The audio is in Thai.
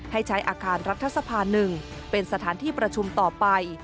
ให้ใช้อาคารรัฐสภา๑เป็นสถานที่ประชุมต่อไป